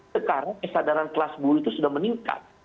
sekarang kesadaran kelas guru itu sudah meningkat